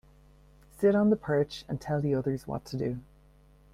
Sit on the perch and tell the others what to do.